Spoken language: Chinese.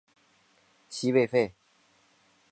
西魏废。